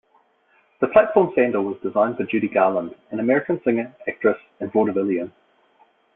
The platform sandal was designed for Judy Garland, an American singer, actress, and vaudevillian.